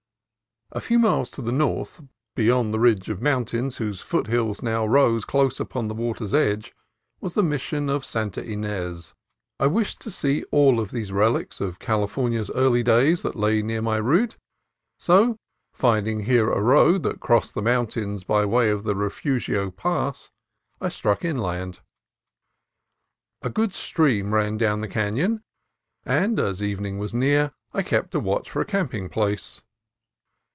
A few miles to the north, beyond the ridge of mountains whose foothills now rose close upon the water's edge, was the Mission of Santa Ines. I wished to see all of these relics of California's early days that lay near my route, so, finding here a road that crossed the mountains by way of the Refugio Pass, I struck inland. A good stream ran down the canon, and as evening was near I kept a watch for a camping place.